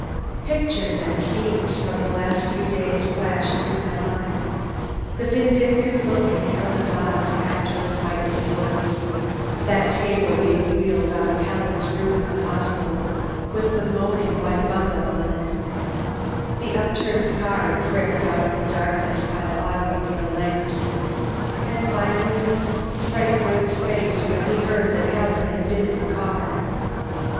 Pictures and scenes from the last few days flashed through my mind: the vindictive look in Helen's eyes after the fight with Woods; that table being wheeled out of Helen's room at the hospital, with the moaning white bundle on it; the upturned car pricked out of the darkness by the automobile lamps, and finally, Frank Woods' face when he heard that Helen had been in the car.